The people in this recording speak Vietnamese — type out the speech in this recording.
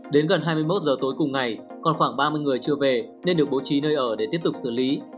đến gần hai mươi một giờ tối cùng ngày còn khoảng ba mươi người chưa về nên được bố trí nơi ở để tiếp tục xử lý